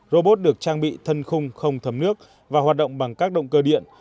robot được trang bị thân khung không thấm nước và hoạt động bằng các động cơ điện